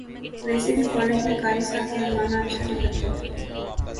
ویسے بھی کالج میں قاری صاحب کہلوانا اچھا نہ لگتا تھا